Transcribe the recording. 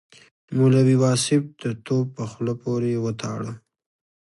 مولوي واصف د توپ په خوله پورې وتاړه.